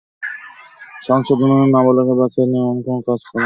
সংশোধনাগারের নাবালক বাচ্চাদের দিয়ে এমন কোনো কাজ করছে যার দ্বারা টাকার বৃষ্টি হচ্ছে।